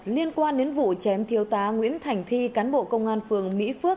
liên quan đến vụ chém thiêu tá nguyễn thành thi cán bộ công an phường mỹ phước